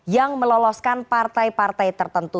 yang meloloskan partai partai tertentu